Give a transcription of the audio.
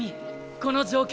この状況。